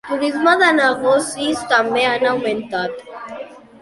Turisme de negocis també han augmentat.